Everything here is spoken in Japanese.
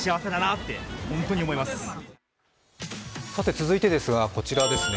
続いてですが、こちらですね